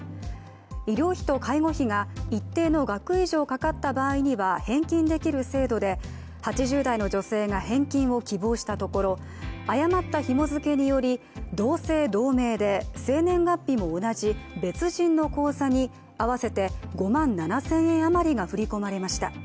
医療費と介護費が一定の額以上かかった場合には返金できる制度で、８０代の女性が返金を希望したところ誤ったひも付けにより同姓同名で生年月日も同じ別人の口座に合わせて５万７０００円余りが振り込まれました。